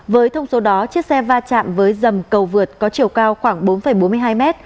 với thông số đó chiếc xe va chạm với dầm cầu vượt có chiều cao khoảng bốn bốn mươi hai mét